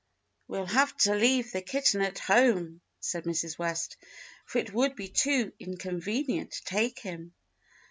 "We'll have to leave the kitten at home," said Mrs. West, "for it would be too inconvenient to take him."